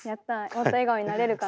もっと笑顔になれるかな？